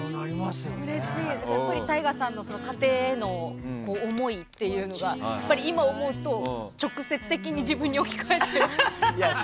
ＴＡＩＧＡさんの家庭への思いというのが今、思うと直接的に自分に置き換えて。